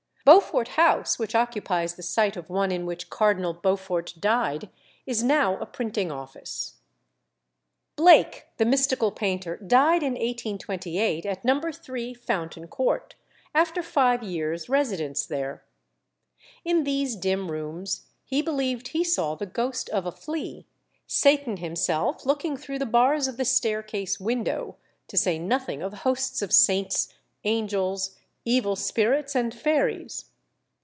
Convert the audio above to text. Beaufort House, which occupies the site of one in which Cardinal Beaufort died, is now a printing office. Blake, the mystical painter, died in 1828, at No. 3 Fountain Court, after five years' residence there. In these dim rooms he believed he saw the ghost of a flea, Satan himself looking through the bars of the staircase window, to say nothing of hosts of saints, angels, evil spirits, and fairies.